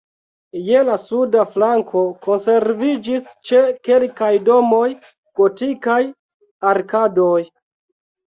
Je la suda flanko konserviĝis ĉe kelkaj domoj gotikaj arkadoj.